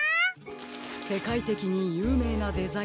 せかいてきにゆうめいなデザイナーですね。